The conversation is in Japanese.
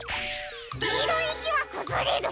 きいろいいしはくずれる。